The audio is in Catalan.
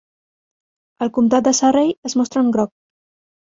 El comptat de Surrey es mostra en groc.